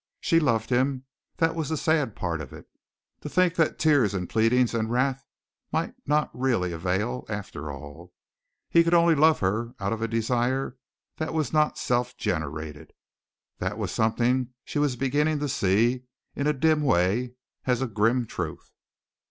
She loved him. That was the sad part of it. To think that tears and pleadings and wrath might not really avail, after all! He could only love her out of a desire that was not self generated. That was something she was beginning to see in a dim way as a grim truth.